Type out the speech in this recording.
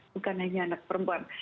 bukan hanya anak perempuan